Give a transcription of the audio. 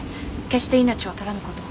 決して命は取らぬこと。